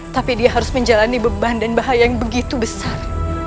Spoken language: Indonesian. tapi dia harus menjalani beban dan bahaya yang begitu besar